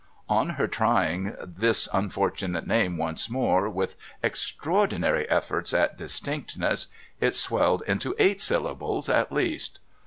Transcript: On her trying this unfortunate name once more, with extra ordinary efforts at distinctness, it swelled into eight syllables at least.